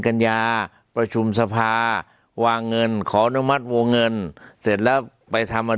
กัญญาประชุมสภาวางเงินขออนุมัติวงเงินเสร็จแล้วไปทำอัน